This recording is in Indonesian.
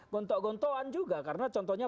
gontok gontoan juga karena contohnya